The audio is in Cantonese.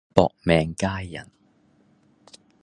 薄命佳人